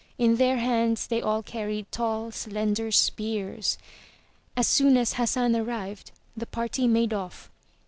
In their hands they all carried tall, slender spears. As soon as Hassan arrived, the party made off.